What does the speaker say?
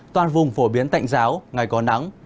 toàn vùng phổ biến tạnh giáo ngày có nắng